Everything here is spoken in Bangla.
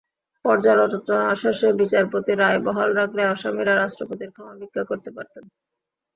পর্যালোচনা শেষে বিচারপতি রায় বহাল রাখলে আসামিরা রাষ্ট্রপতির ক্ষমা ভিক্ষা করতে পারতেন।